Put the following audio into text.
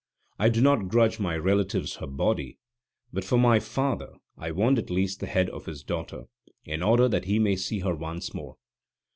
I do not grudge my relatives her body, but for my father I want at least the head of his daughter, in order that he may see her once more."